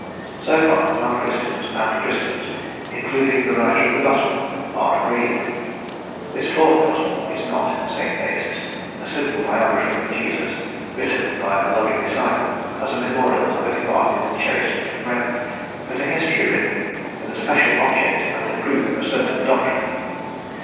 So far non Christians and Christians including the writer of the gospel are agreed. This fourth gospel is not say Theists a simple biography of Jesus written by a loving disciple as a memorial of a departed and cherished friend, but a history written with a special object and to prove a certain doctrine.